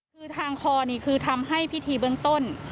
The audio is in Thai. คือทางคอนี่คือทำให้พิธีเบื้องต้น